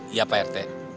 iya pak rt